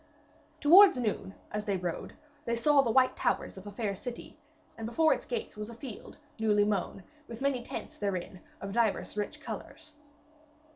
Towards noon, as they rode, they saw the white towers of a fair city, and before its gates was a field newly mown, with many tents therein of divers rich colours.